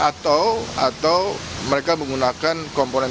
atau mereka menggunakan komponen